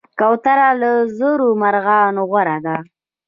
کوتره له زرو مرغانو غوره ده.